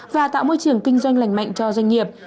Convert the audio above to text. và tạo môi trường kinh doanh lành mạnh cho doanh nghiệp